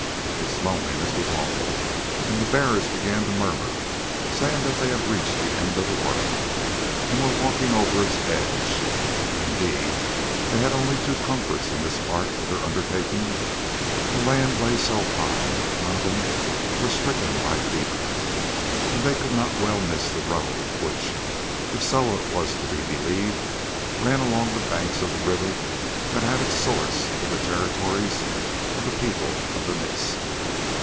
Its loneliness was awful, and the bearers began to murmur, saying that they had reached the end of the world, and were walking over its edge. Indeed they had only two comforts in this part of their undertaking; the land lay so high that none of them were stricken by fever, and they could not well miss the road, which, if Soa was to be believed, ran along the banks of the river that had its source in the territories of the People of the Mist.